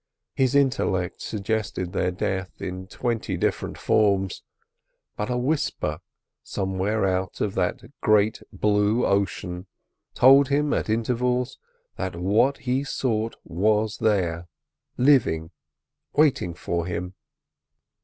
His intellect suggested their death in twenty different forms; but a whisper, somewhere out of that great blue ocean, told him at intervals that what he sought was there, living, and waiting for him.